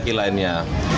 lima tahun ya